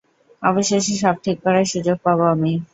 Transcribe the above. অবশেষে সব ঠিক করার সুযোগ পাবো আমি।